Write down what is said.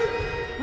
何？